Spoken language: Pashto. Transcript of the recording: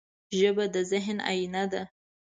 ژبه د ذهن آینه ده